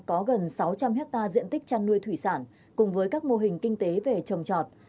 có gần sáu trăm linh hectare diện tích chăn nuôi thủy sản cùng với các mô hình kinh tế về trồng trọt